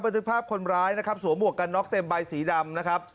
ทึกภาพคนร้ายนะครับสวมหวกกันน็อกเต็มใบสีดำนะครับ